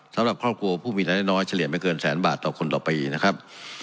สำหรับครอบครัวผู้มีรายได้น้อยเฉลี่ยไม่เกินแสนบาทต่อคนต่อปีนะครับ